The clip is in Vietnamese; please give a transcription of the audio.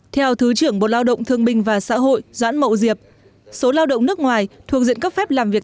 theo thứ trưởng bộ lao động thương binh và xã hội doãn mậu diệp số lao động nước ngoài thuộc diện cấp phép làm việc